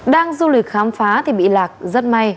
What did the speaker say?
đang du lịch khám phá thì bị lạc rất may